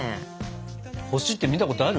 星って見たことある？